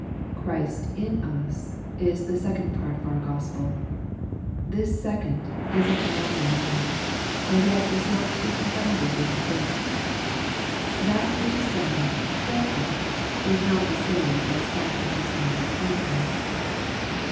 ' Christ in us ' is the second part of our gospel. This second is of mighty moment, and yet is not to be confounded with the first. That which is done for us is not the same as that which is done in us.